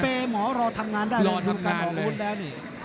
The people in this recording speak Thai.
เปรย์หมอรอทำงานได้เลยรอทำงานเลย